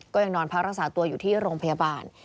ยังนอนพักรักษาตัวอยู่ที่โรงพยาบาล